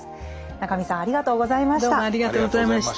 中見さんありがとうございました。